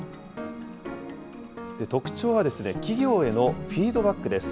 特徴は企業へのフィードバックです。